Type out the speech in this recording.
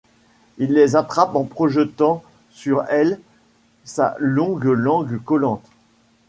Il les attrape en projetant sur elles sa longue langue collante.